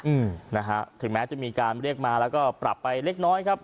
อืมนะฮะถึงแม้จะมีการเรียกมาแล้วก็ปรับไปเล็กน้อยครับ